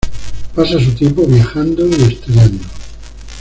Pasa su tiempo viajando y estudiando.